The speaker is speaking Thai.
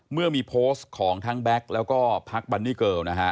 เมื่อมีโพสต์ของทั้งแบ็คแล้วก็พักบันนี่เกิลนะฮะ